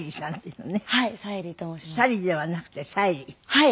はい。